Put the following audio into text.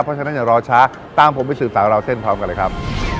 เพราะฉะนั้นอย่ารอช้าตามผมไปสืบสาวราวเส้นพร้อมกันเลยครับ